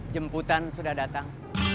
jemputan sudah datang